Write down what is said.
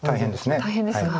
大変ですが。